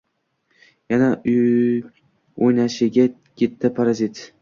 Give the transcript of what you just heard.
Yana uynashig‘a kitti, parazit.